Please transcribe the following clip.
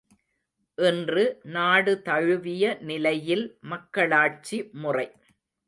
இன்று நாடு தழுவிய நிலையில் மக்களாட்சி முறை.